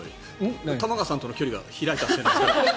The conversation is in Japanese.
玉川さんとの距離が開いたせいで。